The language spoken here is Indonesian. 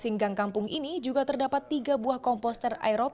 di singgang kampung ini juga terdapat tiga buah komposter aerob